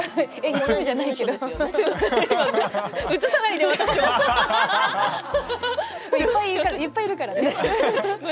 いっぱいいるからね。